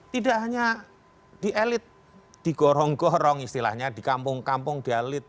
tidak hanya di elit di gorong gorong istilahnya di kampung kampung di elit